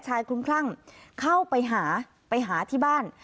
ชายคลุ้มคลั่งเข้าไปหาที่บ้าน